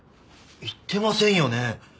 言ってませんよね。